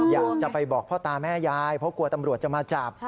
อยากจะไปบอกพ่อตาแม่ยายเพราะกลัวตำรวจจะมาจับ